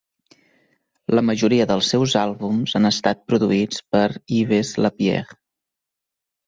La majoria dels seus àlbums han estat produïts per Yves Lapierre.